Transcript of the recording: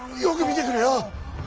よく見てくれよ。